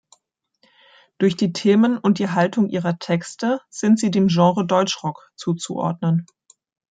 Durch die Themen und die Haltung ihrer Texte sind sie dem Genre Deutschrock zuzuordnen.